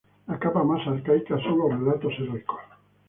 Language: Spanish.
La capa más arcaica, son los relatos heroicos.